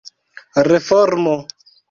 reformo